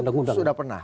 dan itu sudah pernah